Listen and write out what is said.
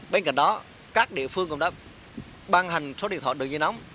bên cạnh đó các địa phương cũng đã ban hành số điện thoại đường dây nóng